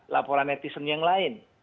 laporan netizen yang lain